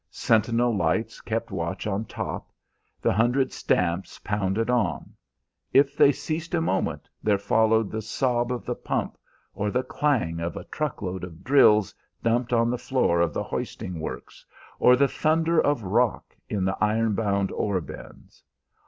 Sentinel lights kept watch on top. The hundred stamps pounded on. If they ceased a moment, there followed the sob of the pump, or the clang of a truck load of drills dumped on the floor of the hoisting works, or the thunder of rock in the iron bound ore bins.